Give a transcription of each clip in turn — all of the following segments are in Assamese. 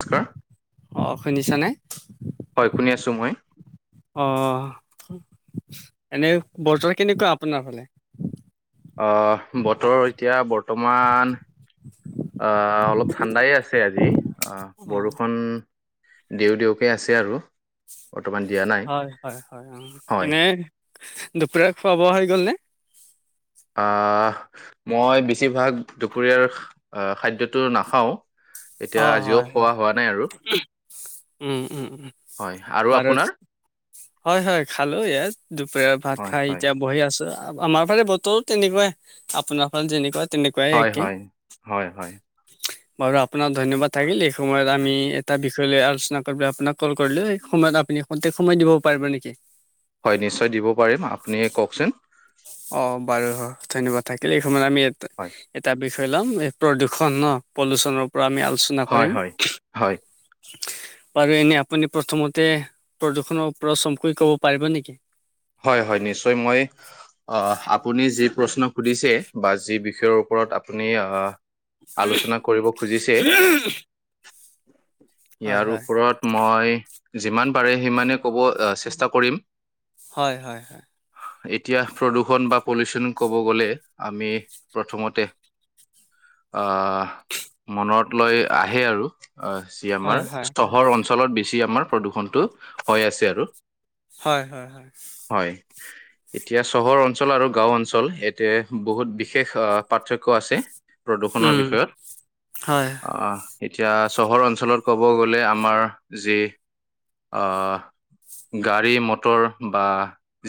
নমস্কাৰ অ, শুনিছা নে? হয়, শুনি আছোঁ মই। অঁ, এনেই বতৰ কেনেকুৱা আপোনাৰ ফালে? অহ, বতৰ এতিয়া বৰ্তমান অঁ, অলপ ঠাণ্ডাই আছে আজি। আহ, অ বৰষুণ দিও-দিওকে আছে আৰু। বৰ্তমান দিয়া নাই হয় হয় হয়, হয় এনে দুপৰীয়া খোৱা-বোৱা হৈ গ'ল নে? অঁ, মই বেছিভাগ দুপৰীয়াৰ খাদ্যটো নাখাওঁ। অ এতিয়া আজিও হয় হয় খোৱা হোৱা নাই আৰু। উম, উম, উম, হয় আৰু আপোনাৰ ভাৰত হয় হয়, খালো ইয়াত দুপৰীয়া ভাত হয় খাই হয় এতিয়া বহি আছোঁ। আমাৰ ফালে বতৰো তেনেকুৱাই, আপোনাৰ ফালে যেনেকুৱা তেনেকুৱাই হয় একে। হয় হয় হয় [unintelligible] বাৰু, আপোনাক ধন্যবাদ থাকিল। এই সময়ত আমি এটা বিষয় লৈ আলোচনা কৰিবলৈ আপোনাক কল কৰিলোঁ, এই সময়ত আপুনি ক্ষন্তেক সময় দিব পাৰিব নেকি? হয়, নিশ্চয় দিব পাৰিম। আপুনি কওকচোন অ বাৰু ধন্যবাদ থাকিলে। এই সময়ত আমি এটা হয়। এটা বিষয় ল'ম, এই প্ৰদূষণ ন পলুচনৰ পৰা আমি আলোচনা হয় কৰিম। হয় হয় বাৰু, এনে আপুনি প্ৰথমতে প্ৰদূষণৰ ওপৰত চমুকৈ ক'ব পাৰিব নেকি? হয় হয়, নিশ্চয়। মই আপুনি যি প্ৰশ্ন সুধিছে বা যি বিষয়ৰ ওপৰত আপুনি আহ আলোচনা কৰিব খুজিছে, হয় ইয়াৰ হয় ওপৰত। মই যিমান পাৰে, সিমানে ক'ব চেষ্টা কৰিম। হয়, হয়, হয়। এতিয়া প্ৰদূষণ বা পলিউচন ক'ব গ'লে আমি প্ৰথমতে আহ, মনত লৈ আহে আৰু। অহ, যি আমাৰ হয় হয় হয় চহৰ অঞ্চলত বেছি আমাৰ প্ৰদূষণটো হৈ আছে আৰু। হয়, হয়, হয়। হয়। এতিয়া চহৰ অঞ্চল আৰু গাঁও অঞ্চল সেইটোৱে বহুত বিশেষ পাৰ্থক্য আছে। প্ৰদূষণৰ উম বিষয়ত হয় আহ। এতিয়া চহৰ অঞ্চলত ক'ব গ'লে আমাৰ যি অহ, গাড়ী-মটৰ বা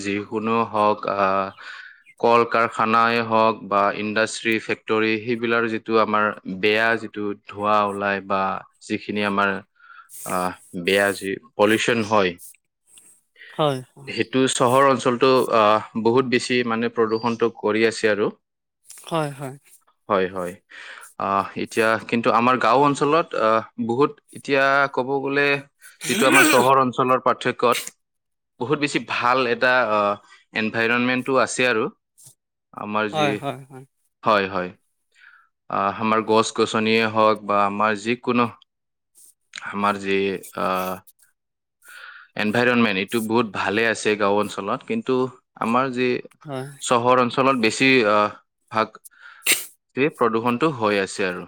যিকোনো হওক, আহ কল-কাৰখানাই হওক বা ইণ্ডাষ্ট্ৰি, ফেক্টৰী সেইবিলাৰ যিটো আমাৰ বেয়া যিটো ধোঁৱা ওলাই বা যিখিনি আমাৰ অ', বেয়া যি পলিউচন হয়। হয়। সেইটো চহৰ অঞ্চলটো বহুত আহ বেছি মানে প্ৰদূষণটো কৰি আছে আৰু। হয়, হয়। হয়, হয়। আহ, এতিয়া কিন্তু আমাৰ গাঁও অঞ্চলত বহুত এতিয়া ক'ব গ'লে যিটো আমাৰ চহৰ অঞ্চলৰ পাৰ্থক্যত বহুত বেছি ভাল এটা এনভাইৰণমেন্টটো আছে আৰু। আমাৰ যি হয় হয় হয় হয় হয় হয় আমাৰ গছ গছনিয়েই হওক বা আমাৰ যিকোনো আমাৰ যে [unintelligible] এনভাইৰনমেন্ট এইটো বহুত ভালে আছে গাঁও অঞ্চলত কিন্তু আমাৰ যি চহৰ অঞ্চলত বেছি আহ ভাগ এইেই প্ৰদূৰণতটো হৈ আছে আৰু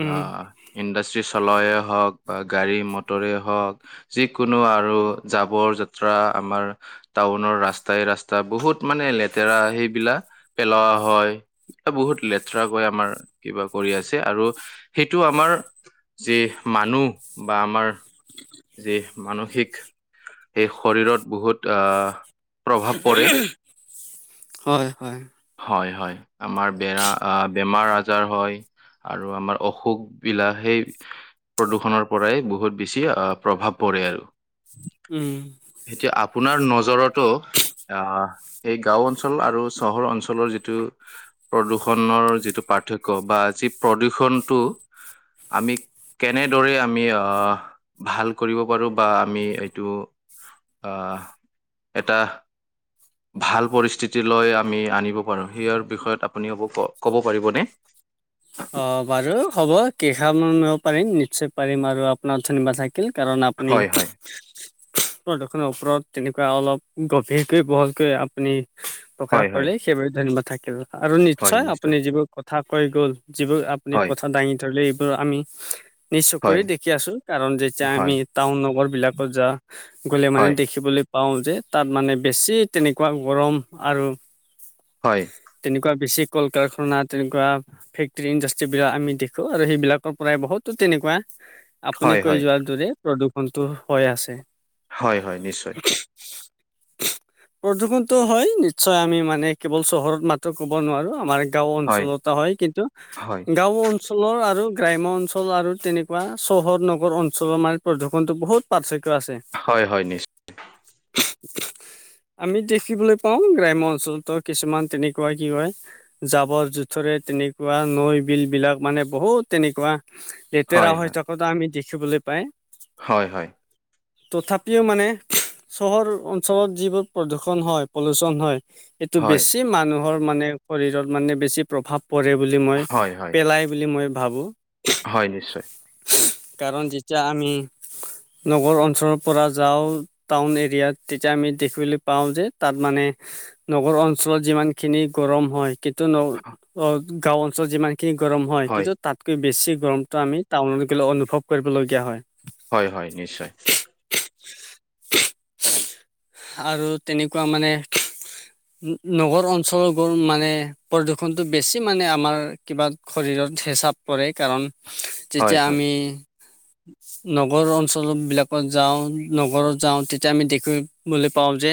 উম আহ ইণ্ডাষ্ট্ৰি চলাইে হওক বা গাড়ী মটৰে হওক যিকোনো আৰু জাবৰ যাত্ৰা আমাৰ টাউনৰ ৰাস্তাই ৰাস্তা বহুত মানে লেতেৰা সেইবিলাক পেলোৱা হয় এ বহুত লেতেৰাকৰাকৈ আমাৰ কিবা কৰি আছে আৰু সেইটো আমাৰ যে মানুহ বা আমাৰ উ যি মানসিক সেই শৰীৰত বহুত আহ প্ৰভাৱ পৰে উম হয় হয় হয় হয় আমাৰ বেয়া বেমাৰ আজাৰ হয় আৰু আমাৰ [unintelligible] বিলাক সেই প্ৰদূষণৰ পৰাই বহুত বেছি অ প্ৰভাৱ পৰে আৰু উম এতিয়া আপোনাৰ নজৰতো আহ এই গাওঁ অঞ্চল আৰু চহৰ অঞ্চল অঞ্চলৰ যিটো প্ৰদূৰষণৰ যিটো পাৰ্থক্য বা যি প্ৰদূষণটো আমি কেনেদৰেই আমি আহ ভাল কৰিব পাৰোঁ বা আমি এইটো আহ এটা ভাল পৰিস্থিতি লৈ আমি আনিব [unintelligible] বিষয়ত আপুনি [unintelligible] ক'ব পাৰিবনে অ বাৰু হ'ব কেইষাৰমান পাৰিম নিশ্চয় পাৰিম আৰু আপোনাৰ ধন্যবাদ থাকিল কাৰণ আপুনি হয় হয় প্ৰদূষণৰ ওপৰত তেনেকুৱা অলপ গভীৰকৈ বহলকৈ আপুনি প্ৰকাশ হয় হয় কৰিলে সেইবাবে ধন্যবাদ থাকিল আৰু নিশ্চয় আপুনি যিবোৰ কথা কৈ গ'ল [unintelligible] আপুনি হয় কথা দাঙি ধৰিলে এইবোৰ আমি নিশ্চয় হয় কৰি দেখি আছো কাৰণ যেতিয়া আমি হয় টাউন নগৰ বিলাকত [unintelligible] গ'লে মানে হয় দেখিবলৈ পাওঁ যে তাত মানে বেছি তেনেকুৱা গৰম আৰু হয় তেনেকুৱা বেছি কল কাৰখানা তেনেকুৱা টি ইণ্ডাষ্ট্ৰী বিলাক আমি দেখো আৰু সেইবিলাকৰ পৰাই বহুতো তেনেকুৱা আপুনি হয় কৈ হয় যোৱাৰ দৰে প্ৰদূষণটো হৈ আছে হয় হয় নিশ্চয় প্ৰদূষণটো হয় নিশ্চয় আমি মানে কেৱল চহৰত মাত্ৰ ক'ব নোৱাৰোঁ আমাৰ গাঁও অঞ্চলতো হয় কিন্তু হয় গাঁও অঞ্চলৰ আৰু গ্ৰাম্য অঞ্চল আৰু তেনেকুৱা চহৰ নগৰ অঞ্চলৰ আমাৰ প্ৰদূষনতো বহুত পাৰ্থক্য আছে হয় হয় নিশ্চয় [inaudible] আমি দেখিবলৈ পাওঁ গ্ৰাম্য অঞ্চলতো কিছুমান তেনেকুৱা কি হয়। জাবৰ জোথৰে তেনে কুৱা নৈ- বিল বিলাক মানে বহুত তেনেকুৱা হয়, লেতেৰা হৈ হয়, থকা। আমি দেখিবলৈ পাই হয় হয়, তথাপিও মানে চহৰ অঞ্চলত যিবোৰ প্ৰদূষণ হয় পলুচন হয়। এইটো হয়, বেছি মানুহৰ মানে শৰীৰত মানে বেছি প্ৰভাৱ পৰে। বুলি মই হয়, হয়, পেলাই বুলি মই ভাবো। হয়, নিশ্চয়। কাৰণ যেতিয়া আমি নগৰ অঞ্চলৰ পৰা যাওঁ। টাউন এৰিয়াত তেতিয়া আমি দেখিবলৈ পাওঁ যে তাত মানে নগৰ অঞ্চলত যিমান খিনি গৰম হয় কিন্তু ন অ গাঁও অঞ্চলত যিমানখিনি গৰম হয় কিন্তু তাতকৈ বেছি গৰমটো আমি টাউনত গ'লে অনুভৱ কৰিবলগীয়া হয়। হয় হয় নিশ্চয়। আৰু তেনেকুৱা মানে নগৰ অঞ্চলবোৰ মানে প্ৰদূষণটো বেছি মানে আমাৰ কিবা শৰীৰত হেঁচা পৰে কাৰণ হয়, যেতিয়া হয়, আমি নগৰ অঞ্চল বিলাকত যাওঁ নগৰত যাওঁ তেতিয়া আমি দেখো পাওঁ যে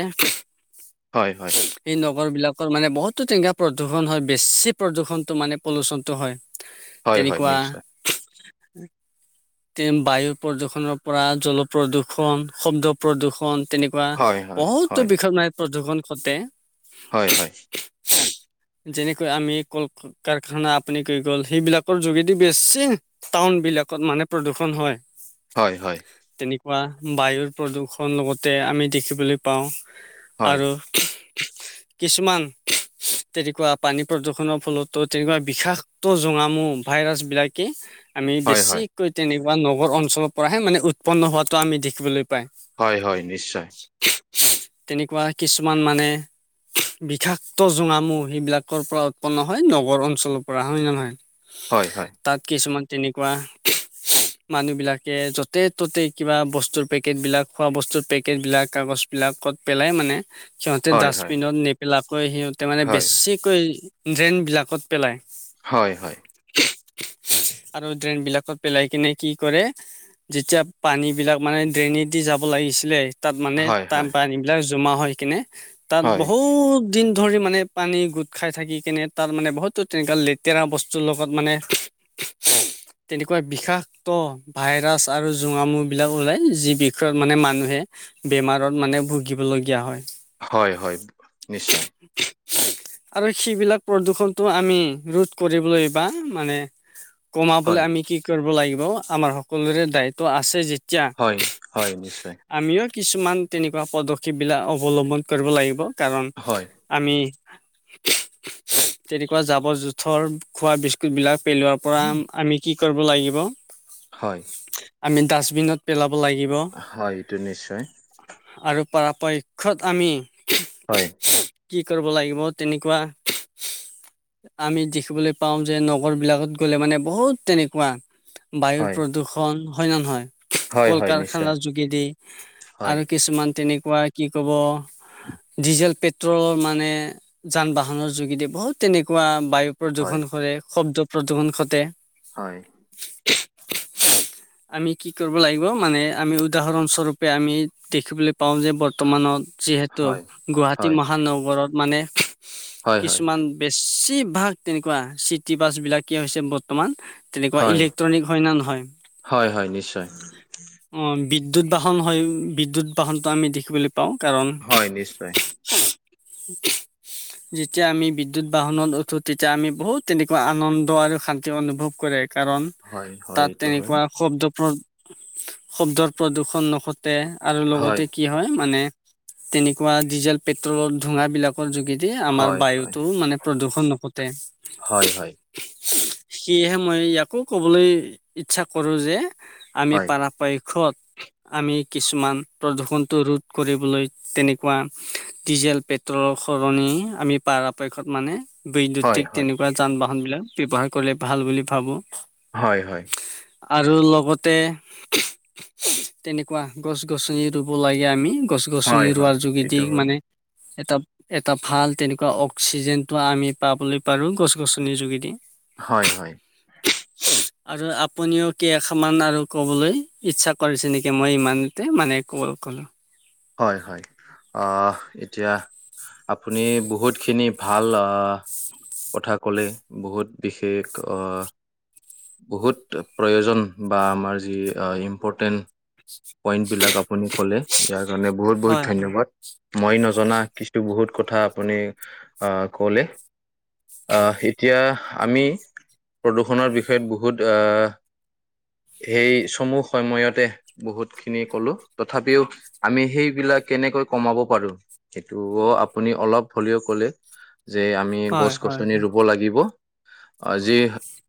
হয়, হয়। সেই নগৰ বিলাকৰ মানে বহুতো টেঙা প্ৰদূষণ হয় বেছি প্ৰদূৰষণটো মানে পলুচনতটো হয়। হয়, হয়, তেনেকুৱা নিশ্চয়। বায়ু প্ৰদূৰ্ষণৰ পৰা জল প্ৰদূষণ, শব্দ প্ৰদূৰ্ষণ তেনেকুৱা হয়, হয়, বহুতো হয়, বিষ নায়ক প্ৰদূষণ খটে হয়, হয়। যেনেকৈ আমি কল কাৰখানা আপুনি কৈ গ'ল সেইবিলাকৰ যোগেদি বেছি টাউন বিলাকত মানে প্ৰদূষণ হয় হয় হয় তেনেকুৱা বায়ুৰ প্ৰদূৰ্ষন লগতে আমি দেখিবলৈ পাওঁ। হয়, আৰু কিছুমান তেনেকুৱা পানী প্ৰদূষনৰ ফলতো তেনেকুৱা বিষাক্ত জোঙামু ভাইৰাছ বিলাকে আমি হয়, বেছিকৈ তেনেকুৱা নগৰ অঞ্চলৰ পৰাহে মানে উৎপন্ন হোৱাতটো আমি দেখিবলৈ পাই। হয়, হয় নিশ্চয়। তেনেকুৱা কিছুমান মানে বিষাক্ত জোঙামুহ সেইবিলাকৰ পৰা উৎপন্ন হয় নগৰ অঞ্চলৰ পৰা হয় ন নহয়। [inaudible] হয়, হয়। তাত কিছুমান তেনেকুৱা মানুহ বিলাকে য'তে ত'তে কিবা বস্তুৰ পেকেট বিলাক খোৱা বস্তুৰ পেকেট বিলাক কাগজ বিলাকত পেলাই মানে সিহঁতে হয়, হয়, ডাষ্টবিনত নেপেলাকৈ সিহঁতে মানে হয়, বেছি কৈ ড্ৰেইন বিলাকত পেলাই। হয়, হয়। আৰু ড্ৰেইন বিলাকত পেলাই কিনে কি কৰে যেতিয়া পানীবিলাক মানে ড্ৰেইনে দি যাব লাগিছিলে তাত মানে হয়, তাম হয়, পানীবিলাক জমা হৈ কিনে তাত হয়, বহুত দিন ধৰি মানে পানী গোট খাই থাকি কেনে তাৰ মানে বহুতো তেনকা লেতেৰা বস্তুৰ লগত মানে তেনেকুৱা বিষা ত ভাইৰাছ আৰু জোঙা মু বিলাক ওলাই যি বিষয়ত মানে মানুহে বেমাৰত মানে ভুগিবলগীয়া হয়। হয়, হয় নিশ্চয়। উ [unintelligible] আৰু সেইবিলাক প্ৰদূ্ষণটো আমি ৰোধ কৰিবলৈ বা মানে কমাবলে হয়, আমি কি কৰব লাগিব আমাৰ সকলোৰে দায়িত্ব আছে যেতিয়া হয়, হয় নিশ্চয়। আমিও কিছুমান তেনেকুৱা পদক্ষেপবিলাক অৱলম্বন কৰিব লাগিব কাৰণ হয়, আমি তেনেকুৱা জাবৰ -জোথৰ খোৱা বিস্কুট বিলাক পেলোৱাৰ পৰা আ আমি কি কৰিব লাগিব [inaudible] হয়। আমি ডাষ্টবিনত পেলাব লাগিব। হয় এইটো নিশ্চয়। আৰু পৰাপক্ষত আমি হয়, কি কৰিব লাগিব তেনেকুৱা আমি দেখিবলৈ পাও যে নগৰ বিলাকত গলে মানে বহুত তেনেকুৱা বায়ুৰ হয়, প্ৰদূষণ হয় নে নহয় হয়, কল হয়, নিশ্চয়। কাৰখানাৰ যোগেদি হয়, আৰু কিছুমান তেনেকুৱা কি ক'ব ডিজেল পেট ট্ৰল মানে যান- বাহনৰ যোগেদি বহুত তেনেকুৱা বায়ু হয়, প্ৰদূষণ কৰে, শব্দ প্ৰদূষণ ঘটে। হয়। আমি কি কৰিব লাগিব মানে আমি উদাহৰণস্বৰূপে আমি দেখিবলৈ পাওঁ যে বৰ্তমানত যিহেতু হয়, গুৱাহাটী হয়, মহানগৰত মানে হয়, হয়, কিছুমান বেছিভাগ তেনেকুৱা চিটি বাছ বিলাকে কি হৈছে বৰ্তমান তেনেকুৱা হয়, ইলেক্ট্ৰনিক হয় নে নহয়? হয়, হয়, নিশ্চয়। অ বিদ্যুৎ বাহন হয় বিদ্যুৎ বাহনতটো আমি দেখিবলৈ পাওঁ কাৰণ। হয়, নিশ্চয়। [unintelligible] যেতিয়া আমি বিদ্যুৎ বাহনত উঠো তেতিয়া আমি বহুত তেনেকুৱা আনন্দ আৰু শান্তি অনুভৱ। কৰে কাৰণ হয়, হয়, তাত এইটো হয়। তেনেকুৱা শব্দ প্ৰদ শব্দৰ প্ৰদূৰ্ষন নঘটে। আৰু লগতে কি হয় মানে তেনেকুৱা ডিজেল পেট্ৰলৰ ধোঁৱা বিলাক কৰ যোগেদি আমাৰ হয়, হয়, বায়ুটো মানে প্ৰদূষণ নঘটে। হয়, হয়, সিয়েহে মই ইয়াকো ক'বলৈ ইচ্ছা কৰো যে আমি হয়, পাৰাপক্ষত আমি কিছ মান প্ৰদূষণটো ৰোধ কৰিবলৈ তেনেকুৱা। ডিজেল পেট্ৰলৰ সলনি আমি পাৰাপক্ষত মানে। হয়, বৈদ্যুতিক হয়, তেনেকুৱা যান-বাহন বিলাক ব্যৱৱহাৰ কৰিলে ভাল বুলি ভাবো। হয় হয়। আৰু লগতে, তেনেকুৱা। গছ-গছনি ৰুব লাগে আমি গছ-গছনি হয়, হয়, ৰুৱাৰ যোগেদি এইটো হয়। মানে, এটা এটা ভাল তেনেকুৱা অক্সিজেনটো আমি পাবলৈ পাৰো গছ-গছনিৰ যোগেদি। হয় হয়। [unintelligible] আৰু আপুনিও কেই-আষাৰমান আৰু কবলৈ ইচ্ছা কৰিছে নিকি মই ইমান। তে মানে কোৱৰ ক'ল হয় হয়, অ এত এতিয়া, আপুনি বহুতখিনি ভাল আ। কথা ক'লে বহুত বিশেষ অ বহুত প্ৰয়োজন বা আমাৰ যি ইম্পৰ্টেণ্ট পইণ্ট বিলাক আপুনি ক'লে ইয়াৰ কাৰণে বহুত হয় বহুত হয় ধন্যবাদ। মই নজনা কিছু বহুত কথা আপুনি আহ ক'লে। আ এতিয়া আমি, প্ৰদূষণৰ বিষয়ে বহুত অ এই চমু সময়তে। বহুত খিনি কলো তথাপিও আমি সেইবিলাক কেনেকৈ কমাব পাৰো। সেইটো অ আপুনি অলপ হলেও কলে, যে আ আমি হয় হয় গছ-গছনি হয় ৰুব লাগিব। আজি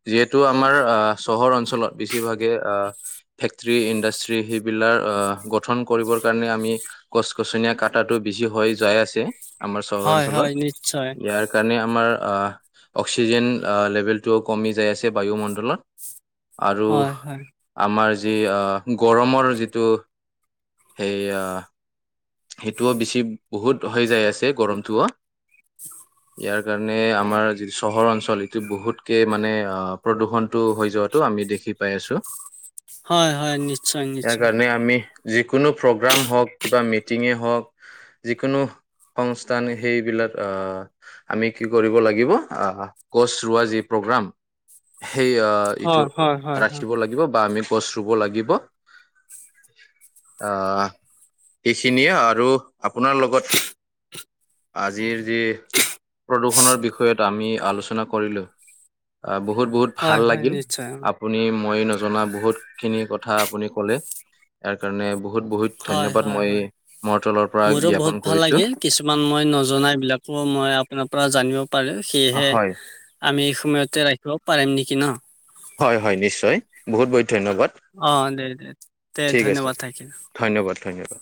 যিহেতু আমাৰ আহ চহৰ অঞ্চলত বেছিভাগে আহ। ফেক্টৰী ইণ্ডাষ্ট্ৰি সেইবিলাক আহ গঠন কৰিবৰ কাৰণে আমি। গছ-গছনীয়া কাটাটো বেছি হৈ যাই আছে, আমাৰ চহৰ হয় অঞ্চলত, হয় নিশ্চয় ইয়াক কাৰণে আমাৰ আ অক্সিজেন লেভেলটোও কমি যায় আছে বায়ুমণ্ডলৰ আৰু, হয় হয় আমাৰ যি আ গৰমৰ যিটো, সেইয়া। সেইটোও বেছি বহুত হৈ যায় আছে গৰমটো অ [unintelligible] ইয়াৰ কাৰণে আমাৰ যিটো চহৰ অঞ্চল এইটো বহুতকে মানে অ প্ৰদূষণটো হৈ যোৱাত টো আমি দেখি পাই আছো। হয় হয় নিশ্চয় ইয়াৰ নিশ্চয় কাৰণে আমি যিকোনো প্ৰগ্ৰাম হওঁক কিবা মি মিটিঙে হওঁক, যিকোনো, সংস্থান সেইবিলাক আ। আমি কি কৰিব লাগিব আহ গছ ৰোৱা যি প্ৰগ্ৰাম, সেই আ। ইটো হয় হয় হয় হয় ৰাখিব লাগিব বা আমি গছ ৰুব লাগিব, আহ। সেইখিনিয়ে আৰু আপোনাৰ লগত। আজিৰ যি, প্ৰদূষণৰ বিষয়ত আমি আলোচনা কৰিলোঁ। অ বহুত বহুত ভাল হয় হয় লাগিল আপ নিশ্চয় আপুনি মই নজনা বহুতখিনি কথা আপুনি কলে তাৰ কাৰণে বহুত বহুত হয় ধন্যবাদ হয় মই হয় মোৰ তলৰ পৰা মোৰো জ্ঞাপন বহুত ভাল কৰিছো লাগিল কিছুমান মই নজনা এইবিলাকো মই আপোনাৰ পৰা জানিব পাৰোঁ সেয়েহে হয় আমি এই সময়তে ৰাখিব পাৰিম নিকি ন হয় হয় নিশ্চয় বহুত বহুত ধন্যবাদ অ দে দে দে ঠিক আছে ধন্যবাদ থাকিল ধন্যবাদ ধন্যবাদ